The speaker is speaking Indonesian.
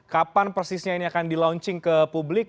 kapan persisnya ini akan di launching ke publik